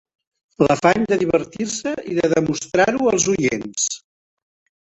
L'afany de divertir-se, i de demostrar-ho als oients